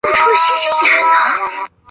林廷圭之子。